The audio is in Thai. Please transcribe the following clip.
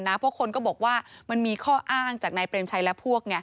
เพราะคนก็บอกว่ามันมีข้ออ้างจากนายเปรมชัยและพวกไง